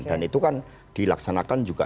dan itu kan dilaksanakan juga